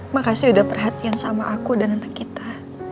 makasih udah perhatian sama aku dan anak kita